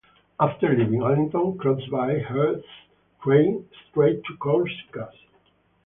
After leaving Allington, Crosbie heads straight to Courcy Castle.